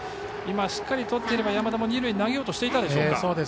今、しっかりとっていれば山田も二塁へ投げようとしていたでしょうか。